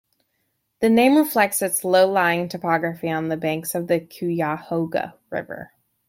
The name reflects its low-lying topography on the banks of the Cuyahoga River.